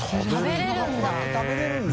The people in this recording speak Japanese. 佑食べれるんだ。